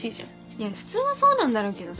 いや普通はそうなんだろうけどさ。